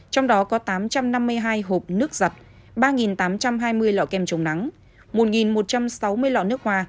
trong đó có tám trăm năm mươi hai hộp nước giặt ba tám trăm hai mươi lọ kem chống nắng một một trăm sáu mươi lọ nước hoa